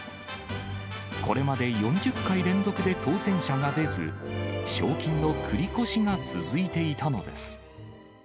これまで４０回連続で当せん者が出ず、賞金の繰り越しが続いていたのです。